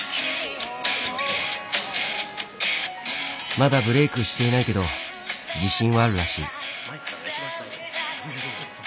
まだブレークしていないけど自信はあるらしい。